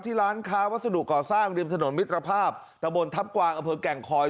ร้านค้าวัสดุก่อสร้างริมถนนมิตรภาพตะบนทัพกวางอำเภอแก่งคอย